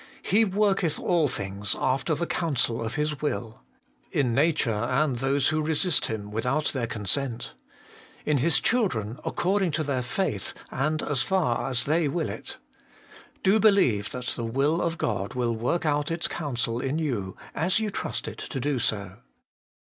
He worketh all things after the counsel of His will In nature and those who resist Him, without their consent. In His children, according to their faith, and as far as they will it. Do believe that the will of God will work out its counsel In you, as you trust it to do so.